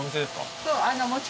そう。